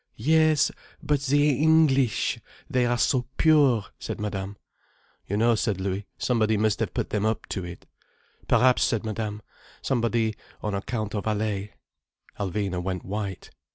"Yes—but the English! They are so pure," said Madame. "You know," said Louis, "somebody must have put them up to it—" "Perhaps," said Madame, "somebody on account of Allaye." Alvina went white.